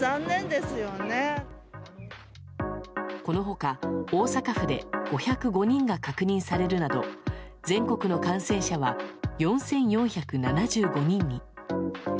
このほか、大阪府で５０５人が確認されるなど全国の感染者は４４７５人に。